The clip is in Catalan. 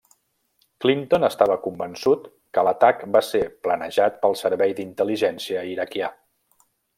Clinton estava convençut que l'atac va ser planejat pel servei d'intel·ligència iraquià.